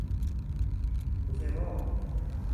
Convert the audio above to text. Dhufemoo?